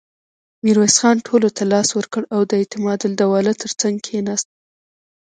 ميرويس خان ټولو ته لاس ورکړ او د اعتماد الدوله تر څنګ کېناست.